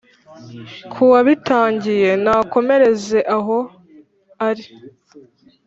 ku wabitangiye nakomereze aho ari